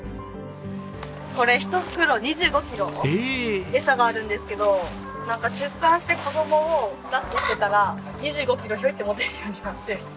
これ１袋２５キロ餌があるんですけどなんか出産して子供を抱っこしてたら２５キロひょいって持てるようになって。